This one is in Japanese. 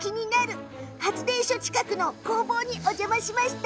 発電所近くの工房にお邪魔しました。